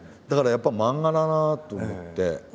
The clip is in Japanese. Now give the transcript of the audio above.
だからやっぱり漫画だなと思って。